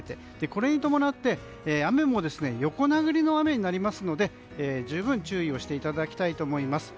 これに伴って雨も横殴りの雨になりますので十分注意をしていただきたいと思います。